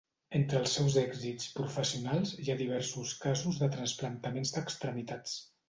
Entre els seus èxits professionals hi ha diversos casos de trasplantaments d'extremitats.